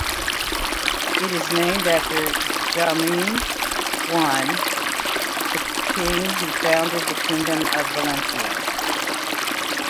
It is named after Jaume I, the king who founded the Kingdom of Valencia.